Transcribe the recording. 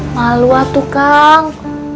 malua tuh kang